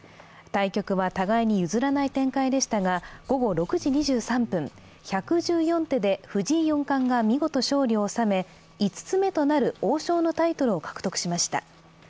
対局は互いに譲らない展開でしたが午後６時２３分、１１４手で藤井四冠が見事勝利を収め５つ目となる王将のタイトルを獲得しました。